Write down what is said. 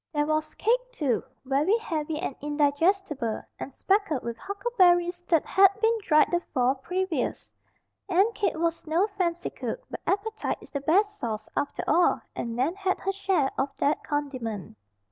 There was cake, too, very heavy and indigestible, and speckled with huckleberries that had been dried the fall previous. Aunt Kate was no fancy cook; but appetite is the best sauce, after all, and Nan had her share of that condiment.